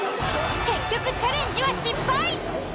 結局チャレンジは失敗。